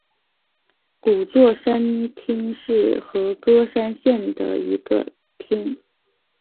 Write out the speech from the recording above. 古座川町是和歌山县的一町。